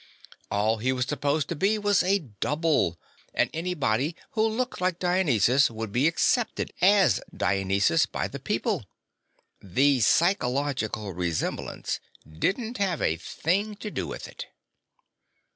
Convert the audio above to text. All he was supposed to be was a double and anybody who looked like Dionysus would be accepted as Dionysus by the people. The "psychological resemblance" didn't have a single thing to do with it.